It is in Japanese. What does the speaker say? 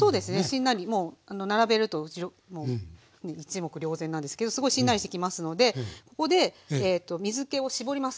しんなりもう並べると一目瞭然なんですけどすごいしんなりしてきますのでここで水けを絞ります。